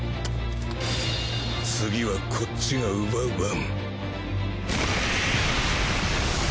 次はこっちが奪う番。